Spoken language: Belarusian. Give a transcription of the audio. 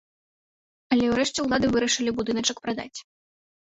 Але ўрэшце ўлады вырашылі будыначак прадаць.